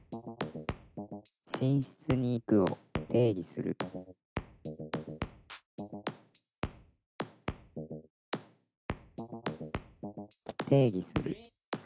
「寝室に行く」を定義する定義する。